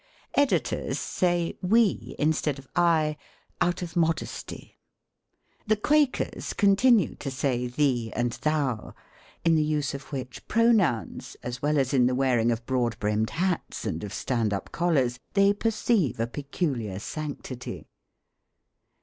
Editors say " We," instead of " I," out of modesty. The Quakers continue to say "thee" and "thou," in the use of which pronouns, as well as in the wear ing of broad brimmed hats and of stand up collars, they perceive a peculiar sanctity.